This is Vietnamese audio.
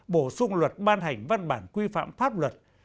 bổ sung luật ban hành văn bản quy phạm pháp luật